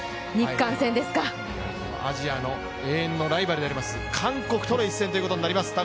アジアの永遠のライバルであります、韓国との一戦になります。